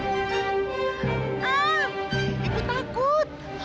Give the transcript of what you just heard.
aaaaah ibu takut